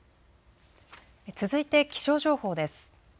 続いて気象情報です。